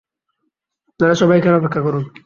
আপনারা সবাই এখানে অপেক্ষা করুন।